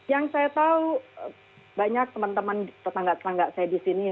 yang saya tahu banyak teman teman tetangga tetangga saya di sini